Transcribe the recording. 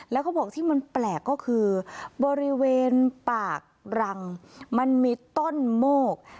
แล้วเขาบอกที่มันแปลกก็คือบริเวณปากรังมันมีต้นโมก